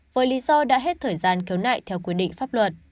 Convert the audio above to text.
với lý do đã hết thời gian khiếu nại theo quy định pháp luật